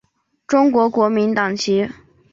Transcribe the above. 中国国民党籍。